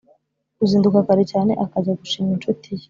uzinduka kare cyane akajya gushima incuti ye